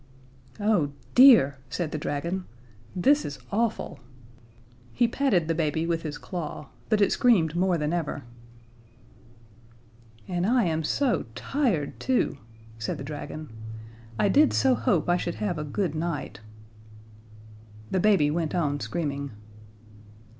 "Oh, dear," said the dragon, "this is awful." He patted the baby with his claw, but it screamed more than ever. "And I am so tired too," said the dragon. "I did so hope I should have a good night." The baby went on screaming.